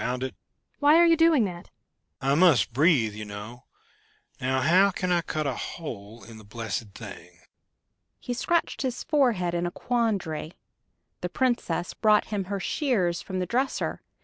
"Why are you doing that?" "I must breathe, you know ... Now, how can I cut a hole in the blessed thing?" He scratched his forehead in a quandary. The Princess brought him her shears from the dresser.